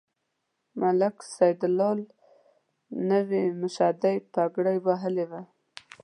ملک سیدلال نوې مشدۍ پګړۍ وهلې وه.